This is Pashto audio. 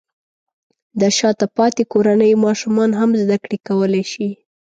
د شاته پاتې کورنیو ماشومان هم زده کړې کولی شي.